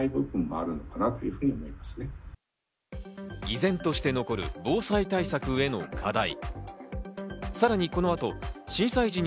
依然として残る防災対策への課題。